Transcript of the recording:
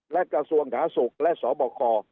และกระทรวงฐาศุกร์และสอบคร